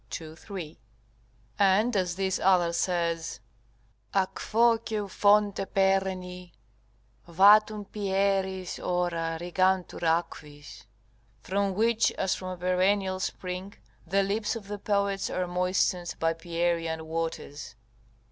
2, 3.] and as this other says, "A quo, ceu fonte perenni, Vatum Pieriis ora rigantur aquis" ["From which, as from a perennial spring, the lips of the poets are moistened by Pierian waters."